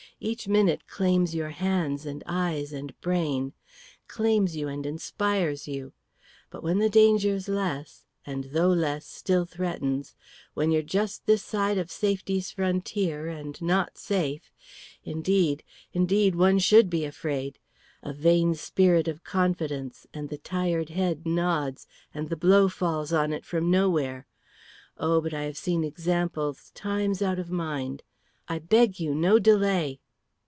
Each minute claims your hands and eyes and brain, claims you and inspires you. But when the danger's less, and though less still threatens; when you're just this side of safety's frontier and not safe, indeed, indeed, one should be afraid. A vain spirit of confidence, and the tired head nods, and the blow falls on it from nowhere. Oh, but I have seen examples times out of mind. I beg you, no delay!"